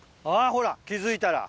ほら気付いたら！